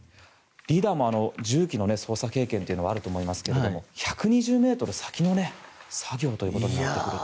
リーダーも重機の操作経験はあると思いますが１２０ｍ先の作業ということになってくると。